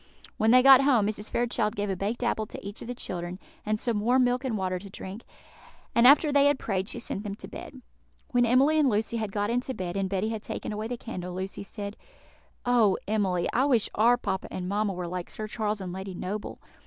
When they got home, Mrs. Fairchild gave a baked apple to each of the children, and some warm milk and water to drink; and after they had prayed, she sent them to bed. When Emily and Lucy had got into bed, and Betty had taken away the candle, Lucy said, "Oh, Emily! I wish our papa and mamma were like Sir Charles and Lady Noble.